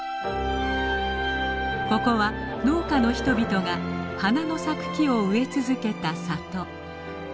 ここは農家の人々が花の咲く木を植え続けた里。